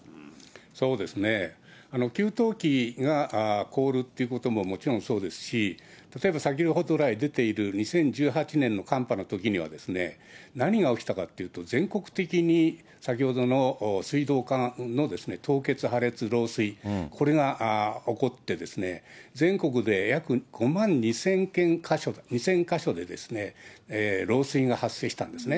そうですね、給湯器が凍るということももちろんそうですし、例えば先ほど来出ている２０１８年の寒波のときには、何が起きたかというと、全国的に先ほどの水道管の凍結、破裂、漏水、これが起こって、全国で約５万２０００か所で漏水が発生したんですね。